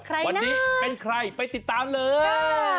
วันนี้เป็นใครไปติดตามเลย